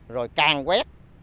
rồi càng quét